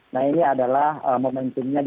nah ini adalah momentumnya